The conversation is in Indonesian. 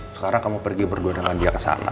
sekarang kamu pergi berdua dengan dia ke sana